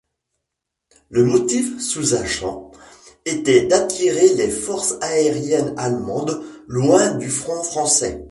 Le motif sous-jacent était d'attirer les forces aériennes allemandes loin du front français.